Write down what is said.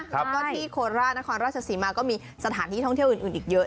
ก็ที่โคราชนครราชศรีมาก็มีสถานที่ท่องเที่ยวอื่นอีกเยอะ